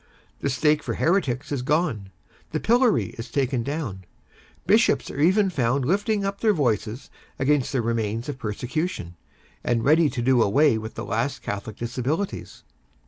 The stake for heretics is gone; the pillory is taken down; Bishops are even found lifting up their voices against the remains of persecution, and ready to do away with the last Catholic Disabilities.